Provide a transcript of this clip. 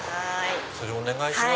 それじゃお願いします。